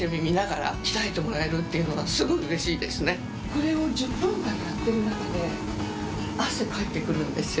これを１０分間やってるだけで汗かいてくるんですよ